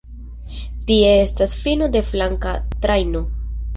Tie estas fino de flanka trajno.